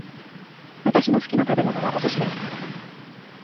私の好きな食べ物はお寿司です